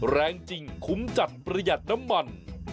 แรงจริงคุ้มจัดประหยัดน้ำมัน